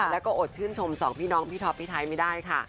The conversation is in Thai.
แล้วก็อดชื่นชมสองพี่น้องพี่ท็อปพี่ไทยไม่ได้ค่ะ